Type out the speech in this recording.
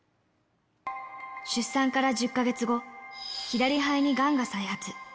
出産から１０か月後、左肺にがんが再発。